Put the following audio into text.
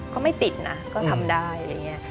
ก็ไม่ติดนะก็ทำได้อะไรอย่างนี้